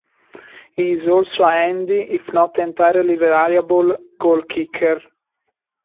He is also a handy, if not entirely reliable, goal kicker.